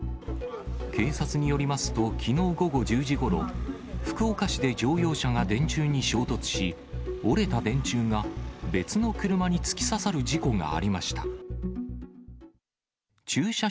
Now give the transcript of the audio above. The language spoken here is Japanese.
警察によりますと、きのう午後１０時ごろ、福岡市で乗用車が電柱に衝突し、折れた電柱が別の車に突き刺さる事故がありました。